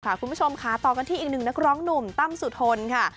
คุณผู้ชมค่ะต่อกันที่อีกหนึ่งนักร้องหนุ่มตั้มสุทนค่ะ